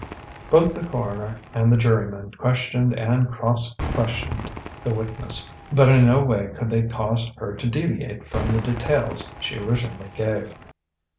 Both the coroner and the jurymen questioned and cross questioned the witness, but in no way could they cause her to deviate from the details she originally gave.